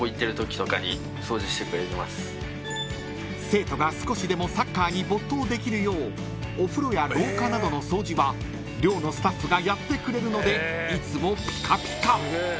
［生徒が少しでもサッカーに没頭できるようお風呂や廊下などの掃除は寮のスタッフがやってくれるのでいつもピカピカ］